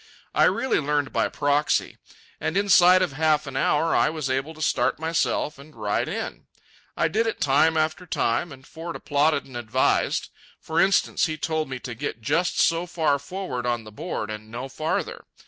I really learned by proxy. And inside of half an hour I was able to start myself and ride in. I did it time after time, and Ford applauded and advised. For instance, he told me to get just so far forward on the board and no farther.